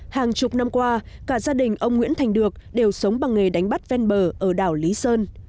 hàng chục năm qua cả gia đình ông nguyễn thành được đều sống bằng nghề đánh bắt ven bờ ở đảo lý sơn